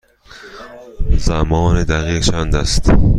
زمان دقیق چند است؟